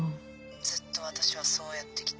ずっと私はそうやってきた。